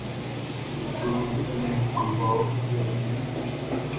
Be toli nnɛn kpanngɔ ufue uflɛ.